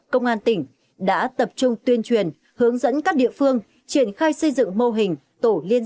công an tỉnh đã tập trung tuyên truyền hướng dẫn các địa phương triển khai xây dựng mô hình tổ liên